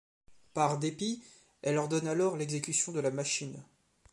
Par dépit elle ordonne alors l'exécution de la machine.